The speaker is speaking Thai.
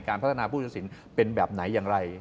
พัฒนาผู้ตัดสินเป็นแบบไหนอย่างไร